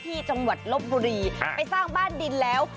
ที่จังหวัดลบบุรีไปสร้างบ้านดินแล้ว